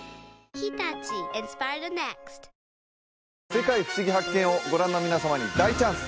「世界ふしぎ発見！」をご覧の皆様に大チャンス！